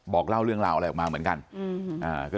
บอกเล่าเรื่องราวอะไรออกมาเหมือนกัน